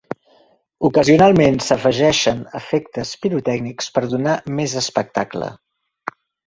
Ocasionalment s'afegeixen efectes pirotècnics per donar més espectacle.